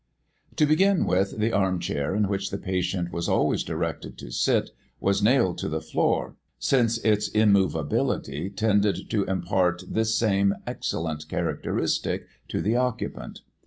To begin with, the arm chair in which the patient was always directed to sit, was nailed to the floor, since its immovability tended to impart this same excellent characteristic to the occupant.